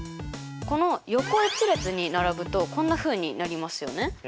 この横一列に並ぶとこんなふうになりますよね。